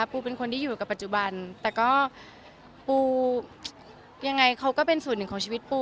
ปูเป็นคนที่อยู่กับปัจจุบันแต่ก็ปูยังไงเขาก็เป็นส่วนหนึ่งของชีวิตปู